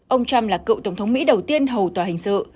ông trump là cựu tổng thống mỹ đầu tiên hầu tòa hình sự